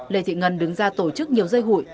lê thị ngân đứng ra tổ chức nhiều dây hụi